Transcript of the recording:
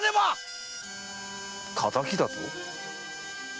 敵だと？